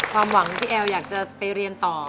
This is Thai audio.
ความหวังที่แอลอยากจะไปเรียนต่อ